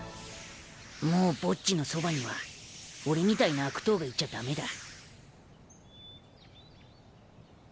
もうボッジのそばには俺みたいな悪党がいちゃ駄目だ。